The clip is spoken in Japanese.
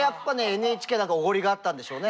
ＮＨＫだからおごりがあったんでしょうね。